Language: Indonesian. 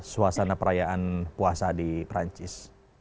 suasana perayaan puasa di perancis